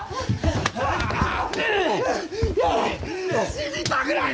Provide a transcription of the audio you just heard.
死にたくない！